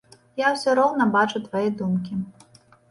Я ўсё роўна бачу твае думкі.